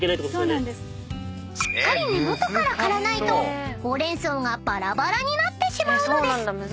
［しっかり根元から刈らないとほうれん草がばらばらになってしまうのです］